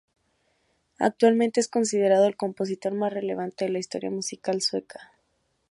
Actualmente es considerado el compositor más relevante de la historia musical sueca.